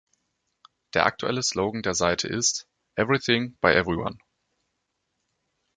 Der aktuelle Slogan der Seite ist: "Everything, By Everyone".